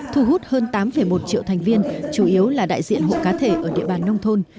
thu hút hơn tám một triệu thành viên chủ yếu là đại diện hộ cá thể ở địa bàn nông thôn